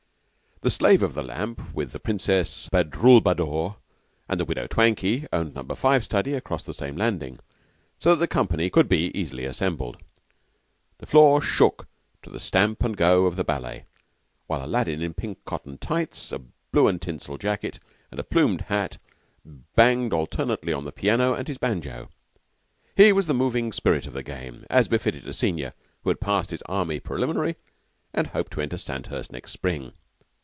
The Slave of the Lamp, with the Princess Badroulbadour and the Widow Twankay, owned Number Five study across the same landing, so that the company could be easily assembled. The floor shook to the stamp and go of the ballet, while Aladdin, in pink cotton tights, a blue and tinsel jacket, and a plumed hat, banged alternately on the piano and his banjo. He was the moving spirit of the game, as befitted a senior who had passed his Army Preliminary and hoped to enter Sandhurst next spring.